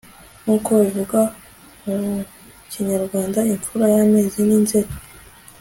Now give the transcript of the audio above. nk'uko babivuga mu kinyarwanda, imfura y'amezi ni nzeri